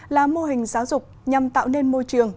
là mô hình giáo dục nhằm tạo nên môi trường